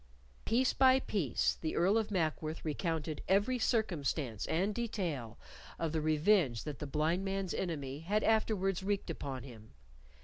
Piece by piece the Earl of Mackworth recounted every circumstance and detail of the revenge that the blind man's enemy had afterwards wreaked upon him.